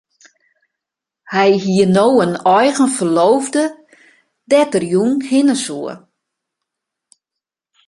Hy hie no in eigen ferloofde dêr't er jûn hinne soe.